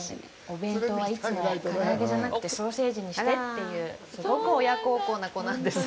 お弁当は、いつもから揚げじゃなくてソーセージにしてっていうすごく親孝行な子なんです。